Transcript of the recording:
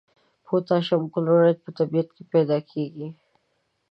پوتاشیم کلورایډ په طبیعت کې پیداکیږي.